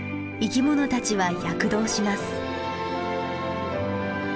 生きものたちは躍動します。